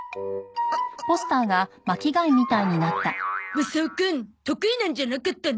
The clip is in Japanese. マサオくん得意なんじゃなかったの？